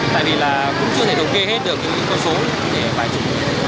tại vì là cũng chưa thể thống kê hết được những con số để bài chủ